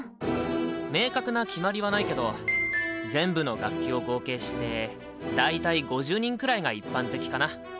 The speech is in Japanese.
明確な決まりはないけど全部の楽器を合計して大体５０人くらいが一般的かな。